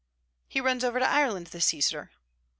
'He runs over to Ireland this Easter.'